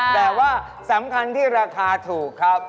แต่ว่าสำคัญที่ราคาถูกครับ